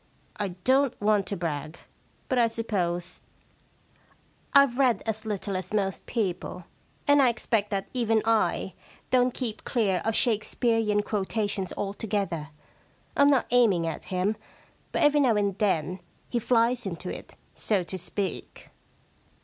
I don*t want to brag, but I suppose IVe read as little as most people, and I expect that even I don't keep clear of Shakespearean quotations altogether. Fm not aiming at him, but every now and then he flies into it, so to speak.'